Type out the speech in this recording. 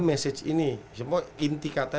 message ini semua inti kata